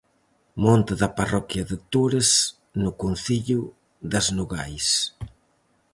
Monte da parroquia de Tores, no concello das Nogais.